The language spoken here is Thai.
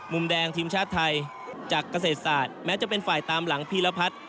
มุมแดงทีมชาติไทยจากเกษตรศาสตร์แม้จะเป็นฝ่ายตามหลังพีรพัฒน์